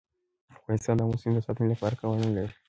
افغانستان د آمو سیند د ساتنې لپاره قوانین لري.